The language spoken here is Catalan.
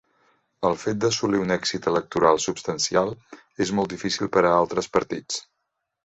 El fet d'assolir un èxit electoral substancial és molt difícil per a altres partits.